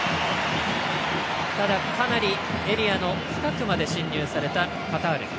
ただ、かなりエリアの深くまで進入されたカタール。